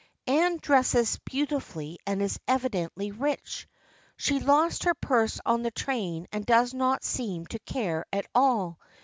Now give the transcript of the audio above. Anne dresses beautifully and is evidently rich. She lost her purse on the train and does not seem to care at all.